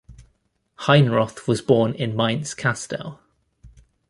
Heinroth was born in Mainz-Kastel.